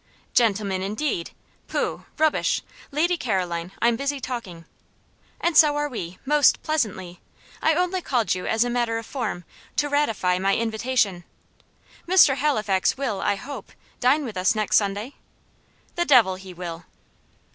"Gentleman indeed! Pooh! rubbish! Lady Caroline I'm busy talking." "And so are we, most pleasantly. I only called you as a matter of form, to ratify my invitation. Mr. Halifax will, I hope, dine with us next Sunday?" "The devil he will!"